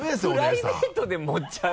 プライベートで盛っちゃう？